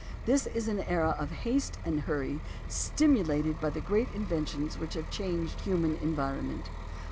This is an era of haste and hurry stimulated by the great inventions which have changed human environment.